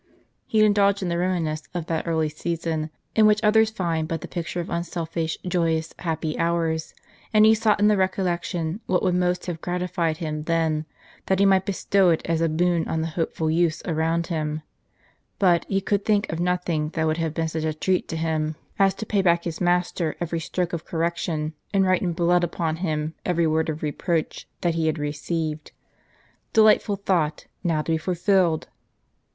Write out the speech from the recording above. He indulged in the reminiscence of that early season in which others find but the picture of unselfish, joyous, happy hours ; and he sought in the recollection what would most have gratified him then, that he might bestow it as a boon on the hopeful youths around him. But he could think of nothing that would have been such a treat to him, as to pay back to his master every stroke of correction, and write in blood upon him every word of reproach that he had received. Delightful thought, now to be fulfilled